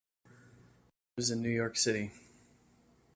Irwin lives in New York City.